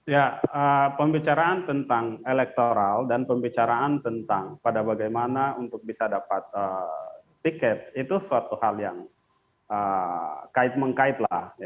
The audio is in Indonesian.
ya pembicaraan tentang elektoral dan pembicaraan tentang pada bagaimana untuk bisa dapat tiket itu suatu hal yang kait mengkait lah